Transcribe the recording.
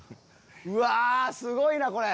うわすごいなこれ。